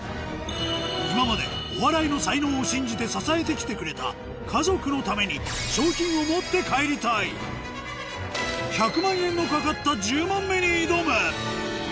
今までお笑いの才能を信じて支えて来てくれた家族のために１００万円の懸かった１０問目に挑む！